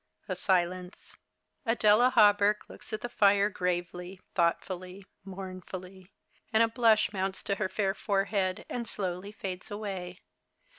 (A Silence.) Adela Hawberk looks at the fire gravely, thoughtfully, mournfully, and a blush mounts to her fair forehead, and slowly fades away.